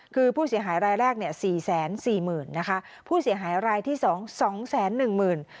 คือผู้เสียหายรายแรกเนี่ยสี่แสนสี่หมื่นนะคะผู้เสียหายรายที่สองสองแสนหนึ่งหมื่น